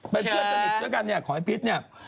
เป็นเพื่อนสนิทด้วยกันเนี่ยขอให้พิษเนี่ย